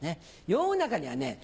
世の中にはね